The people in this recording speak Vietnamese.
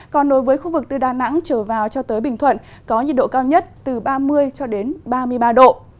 còn nối với khu vực từ đà nẵng trở vào cho tới bình thuận có nhiệt độ cao nhất từ ba mươi ba mươi ba độ